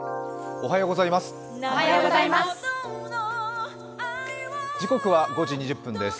おはようございます。